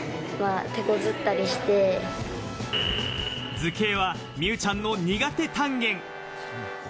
図形は美羽ちゃんの苦手単元。